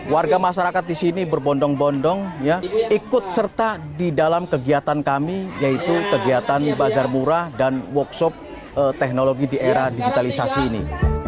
warga masyarakat di sini berbondong bondong ikut serta di dalam kegiatan kami yaitu kegiatan bazar murah dan workshop teknologi di era digitalisasi ini